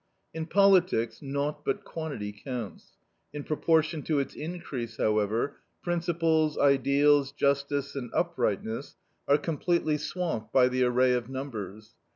In politics, naught but quantity counts. In proportion to its increase, however, principles, ideals, justice, and uprightness are completely swamped by the array of numbers.